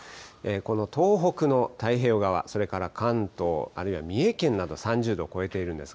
この東北の太平洋側、それから関東、あるいは三重県など３０度を超えているんです。